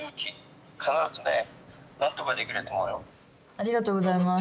ありがとうございます。